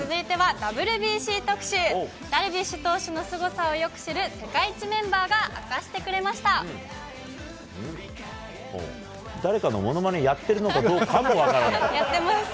ダルビッシュ投手のすごさをよく知る世界一メンバーが明かしてく誰かのものまねやってるのかやってます。